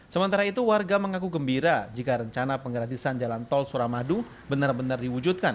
sementara itu warga mengaku gembira jika rencana penggratisan jalan tol suramadu benar benar diwujudkan